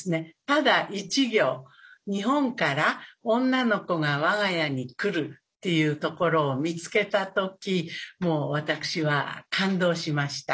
ただ１行「日本から女の子が我が家に来る」っていうところを見つけた時もう私は感動しました。